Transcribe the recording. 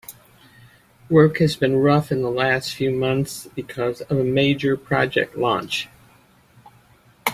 Work has been rough in the last few months because of a major project launch.